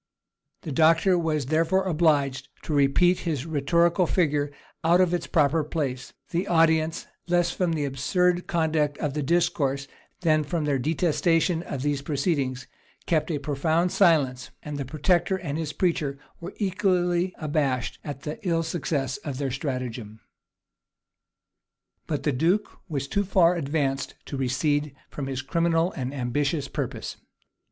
The doctor was therefore obliged to repeat his rhetorical figure out of its proper place: the audience, less from the absurd conduct of the discourse than from their detestation of these proceedings, kept a profound silence: and the protector and his preacher were equally abashed at the ill success of their stratagem. But the duke was too far advanced to recede from his criminal and ambitious purpose.